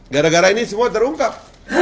gara gara ini semua terungkap